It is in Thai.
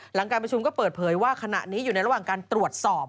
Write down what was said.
หลังการประชุมก็เปิดเผยว่าขณะนี้อยู่ในระหว่างการตรวจสอบ